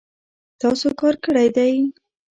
تاسو کار کړی دی